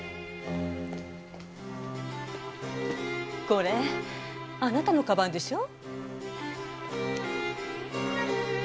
これあなたのかばんでしょ？